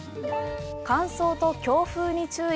乾燥と強風に注意。